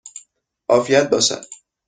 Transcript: عافیت باشد!